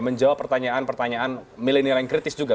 menjawab pertanyaan pertanyaan milenial yang kritis juga